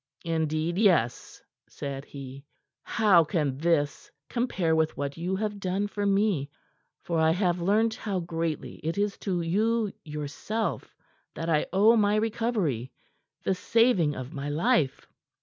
"Indeed, yes," said he. "How can this compare with what you have done for me? For I have learnt how greatly it is to you, yourself, that I owe my recovery the saving of my life."